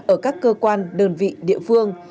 ở các cơ quan đơn vị địa phương